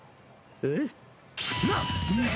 えっ？